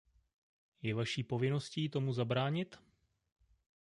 Je vaší povinností tomu zabránit?